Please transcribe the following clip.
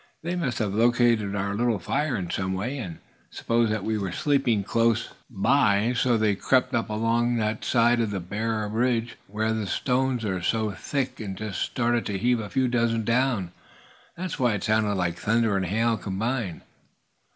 "They must have located our little fire in some way, and supposed that we were sleeping close by. So they crept up along the side of that bare ridge, where the stones are so thick, and just started to heave a few dozen down. That's why it sounded like thunder and hail combined."